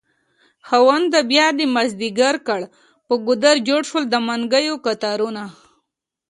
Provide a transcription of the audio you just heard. خاونده بيادی مازد يګر کړ په ګودر جوړشو دمنګيو کتارونه